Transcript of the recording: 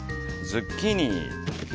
ズッキーニ